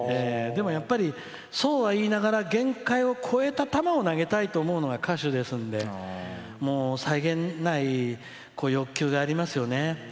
でも、そうは言いながら限界を超えた球を投げたいと思うのが歌手ですんで際限ない欲求がありますよね。